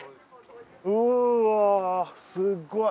うわぁすごい！